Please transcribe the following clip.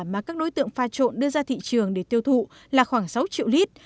mà các đối tượng pha trộn đưa ra thị trường để tiêu thụ là khoảng sáu triệu lít